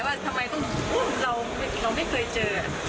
เรายังไม่เคยเจอ